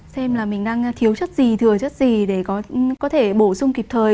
xem là mình đang thiếu chất gì thừa chất gì để có thể bổ sung kịp thời